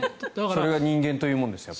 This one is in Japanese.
それが人間というものです。